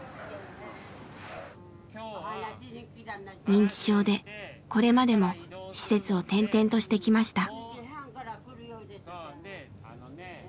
認知症でこれまでも施設を転々としてきました。